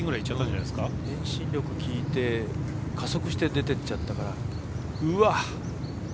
遠心力きいて加速して出ていっちゃったから。